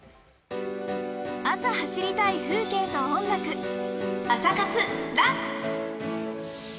朝、走りたい風景と音楽「朝活ＲＵＮ」。